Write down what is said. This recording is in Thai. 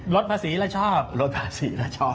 ลดภาษีแล้วชอบลดภาษีแล้วชอบ